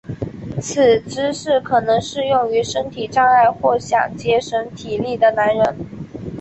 此姿势可能适用于身体障碍或想节省体力的男人。